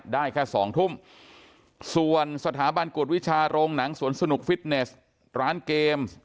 ได้แค่สองทุ่มส่วนสถาบันกวดวิชาโรงหนังสวนสนุกฟิตเนสร้านเกมส์